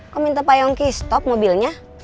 kok minta pak yongki stop mobilnya